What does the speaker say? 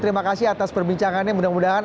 terima kasih atas perbincangannya mudah mudahan